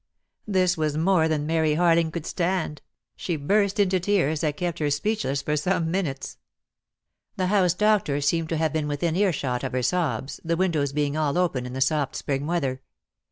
This was more than Mary Harling could stand. She burst into tears, that kept her speechless for some minutes. 7* lOO DEAD LOVE HAS CHAINS. The house doctor seemed to have been within earshot of her sobs, the windows being all open in the soft spring weather.